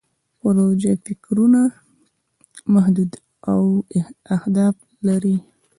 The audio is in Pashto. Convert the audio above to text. پروژوي فکرونه محدود اهداف لري.